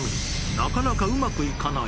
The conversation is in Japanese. なかなかうまくいかない。